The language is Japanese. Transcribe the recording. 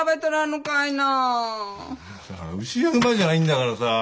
牛や馬じゃないんだからさ。